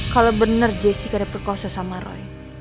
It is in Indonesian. kalau bener jessica ada perkosa sama roy